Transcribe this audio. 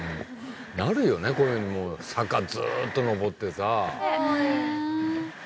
なるよねこれもう坂ずっと上ってさ。